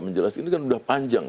menjelaskan ini kan sudah panjang